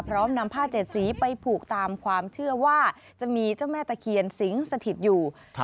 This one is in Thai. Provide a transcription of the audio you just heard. พร้อมนำผ้าเจ็ดสีไปผูกตามความเชื่อว่าจะมีเจ้าแม่ตะเคียนสิงสถิตอยู่